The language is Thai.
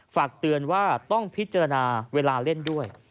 ฝากเตือนว่าต้องพิจารณาเวลาเล่นด้วย